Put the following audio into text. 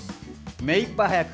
目いっぱい速く。